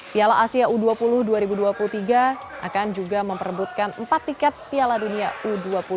piala asia u dua puluh dua ribu dua puluh tiga akan juga memperebutkan empat tiket piala dunia u dua puluh